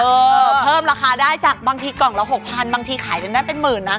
เพิ่มราคาได้จากบางทีกล่องละ๖๐๐บางทีขายจนได้เป็นหมื่นนะ